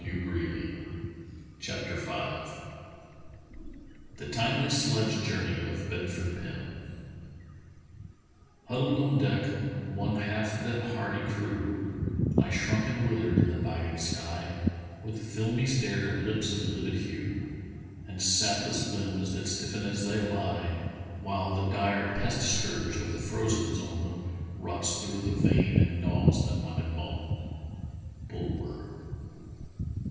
THE TIMELY SLEDGE JOURNEY OF BEDFORD PIM THE TIMELY SLEDGE JOURNEY OF BEDFORD PIM " Huddled on deck, one half that hardy crew Lie shrunk and withered in the biting sky, With filmy stare and lips of livid hue, And sapless limbs that stiffen as they lie; While the dire pest scourge of the frozen zone Rots through the vein and gnaws the knotted bone." — BULWER.